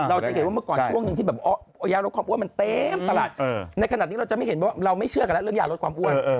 เราจะเห็นว่าเมื่อก่อนช่วงหนึ่งที่แบบยาลดความอ้วนมันเต็มตลาดในขณะนี้เราจะไม่เห็นว่าเราไม่เชื่อกันแล้วเรื่องยาลดความอ้วน